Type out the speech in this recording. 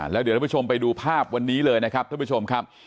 แล้วเดี๋ยวท่านผู้ชมไปดูภาพวันนี้เลยนะครับท่านผู้ชมครับ